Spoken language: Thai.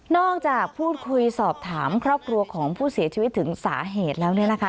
จากพูดคุยสอบถามครอบครัวของผู้เสียชีวิตถึงสาเหตุแล้วเนี่ยนะคะ